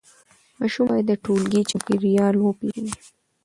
ماشوم باید د ټولګي چاپېریال وپیژني.